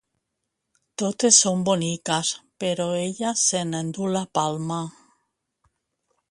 Totes són boniques, però ella se n'enduu la palma.